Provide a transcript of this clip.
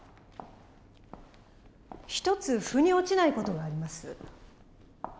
一つ腑に落ちない事があります。